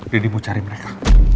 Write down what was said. daddy mau cari mereka